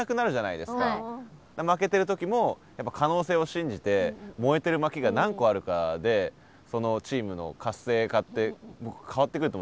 負けてる時も可能性を信じて燃えてる薪が何個あるかでそのチームの活性化って変わってくると思うんですよ活力が。